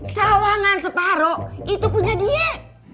sawangan separoh itu punya dia